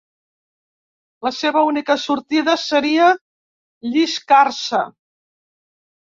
La seva única sortida seria lliscar-se.